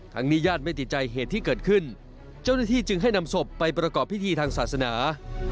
นี้ญาติไม่ติดใจเหตุที่เกิดขึ้นเจ้าหน้าที่จึงให้นำศพไปประกอบพิธีทางศาสนา